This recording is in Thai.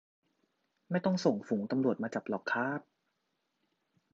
ไม่ต้องส่งฝูงตำรวจมาจับหรอกค้าบ